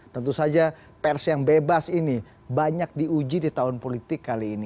tentu saja pers yang bebas ini banyak diuji di tahun politik kali ini